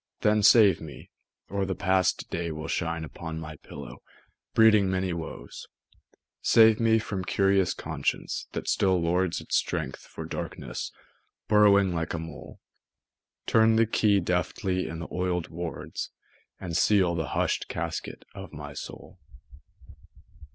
Then save me, or the passed day will shine Upon my pillow, breeding many woes, Save me from curious Conscience, that still lords Its strength for darkness, burrowing like a mole; Turn the key deftly in the oiled wards, And seal the hushed Casket of my Soul.